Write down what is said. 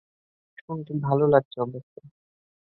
শুনতে ভালো লাগছে অবশ্য।